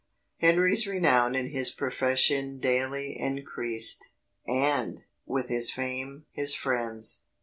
Henry's renown in his profession daily increased; and, with his fame, his friends.